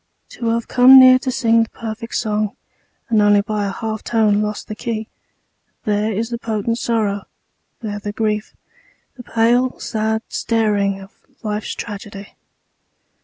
To have come near to sing the perfect song And only by a half tone lost the key, There is the potent sorrow, there the grief, The pale, sad staring of life's tragedy.